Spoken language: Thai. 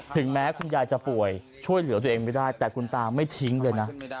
ถึงแม้คุณยายจะป่วยช่วยเหลือตัวเองไม่ได้แต่คุณตาไม่ทิ้งเลยนะ